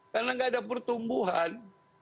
karena tidak ada pertumbuhan